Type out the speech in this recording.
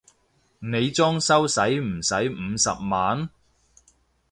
你裝修駛唔駛五十萬？